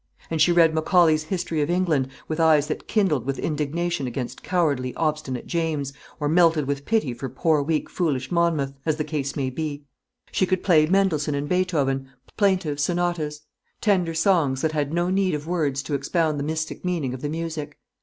And she read Macaulay's "History of England," with eyes that kindled with indignation against cowardly, obstinate James, or melted with pity for poor weak foolish Monmouth, as the case might be. She could play Mendelssohn and Beethoven, plaintive sonatas; tender songs, that had no need of words to expound the mystic meaning of the music.